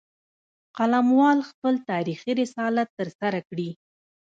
قلموال خپل تاریخي رسالت ترسره کړي